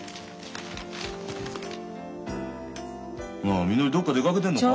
なあみのりどっか出かけてんのか？